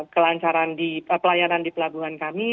kelancaran pelayanan di pelabuhan kami